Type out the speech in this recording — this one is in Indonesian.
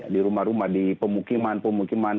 di rumah rumah di pemukiman pemukiman